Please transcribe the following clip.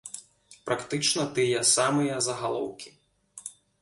Практычна тыя самыя загалоўкі.